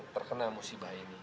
terkena musibah ini